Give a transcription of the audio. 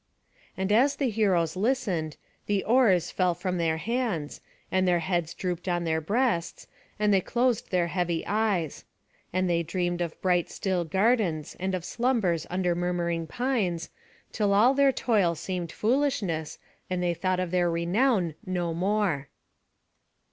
And as the heroes listened, the oars fell from their hands, and their heads drooped on their breasts, and they closed their heavy eyes; and they dreamed of bright still gardens, and of slumbers under murmuring pines, till all their toil seemed foolishness, and they thought of their renown no more.